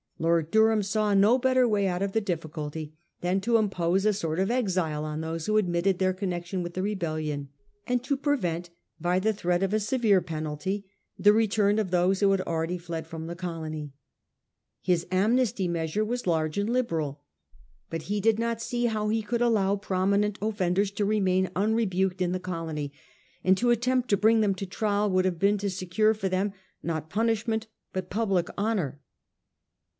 Lord Durham saw no better way out of the difficulty than to impose a sort of exile on those who admitted their connection with the rebellion, and to prevent by the threat of a severe penalty the return of those who had already fled from the colony. His amnesty measure was large and liberal ; but he did not see that he could allow prominent offenders to remain unrebuked in the colony ; and to attempt to bring them to trial would have been to secure for them, not punishment, but public honour.